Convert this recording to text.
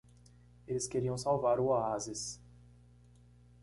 Eles queriam salvar o oásis.